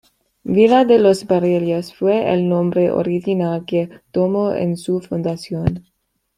Villa de los Barriales fue el nombre original que tomó en su fundación.